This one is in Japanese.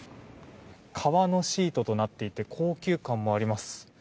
革のシートとなっていて高級感もあります。